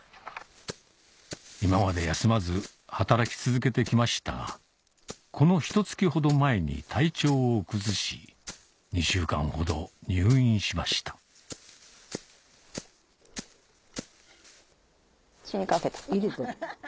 今まで休まず働き続けて来ましたがこのひと月ほど前に体調を崩し２週間ほど入院しました死にかけた。